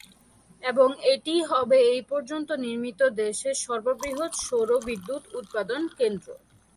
এবং এটিই হবে এই পর্যন্ত নির্মিত দেশের সর্ববৃহৎ সৌর বিদ্যুৎ উৎপাদন কেন্দ্র।